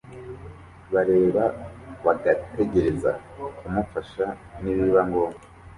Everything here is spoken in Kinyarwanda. bareba bagategereza kumufasha nibiba ngombwa